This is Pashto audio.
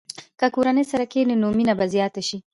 که کورنۍ سره کښېني، نو مینه به زیاته شي.